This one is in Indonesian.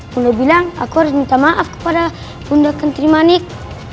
bunda bilang aku harus minta maaf kepada bunda kenterimanik